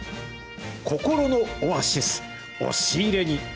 心のオアシス、押し入れに！